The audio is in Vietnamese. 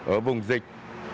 ở vùng dịch